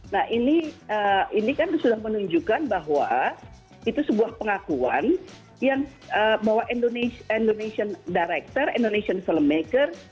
nah ini kan sudah menunjukkan bahwa itu sebuah pengakuan yang bahwa indonesian director indonesian filmmaker